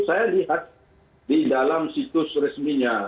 saya lihat di dalam situs resminya